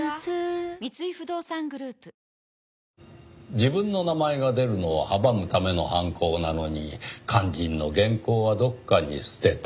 自分の名前が出るのを阻むための犯行なのに肝心の原稿はどこかに捨てた。